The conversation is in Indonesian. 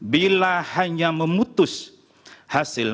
bila hanya memutus hasil